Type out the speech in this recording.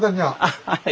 はい。